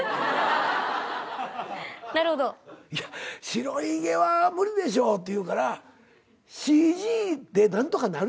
「白ひげは無理でしょ」って言うからＣＧで何とかなるやろと。